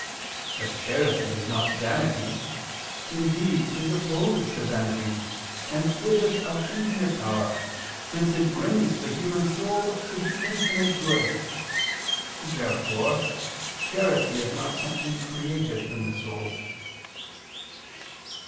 But charity is not vanity, indeed it is opposed to vanity; and it is of infinite power, since it brings the human soul to the infinite good. Therefore charity is not something created in the soul.